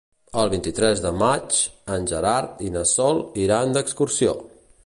El vint-i-tres de maig en Gerard i na Sol iran d'excursió.